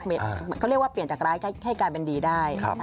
เขาเรียกว่าเปลี่ยนจากร้ายให้กลายเป็นดีได้